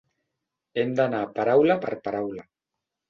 Hem d'anar paraula per paraula.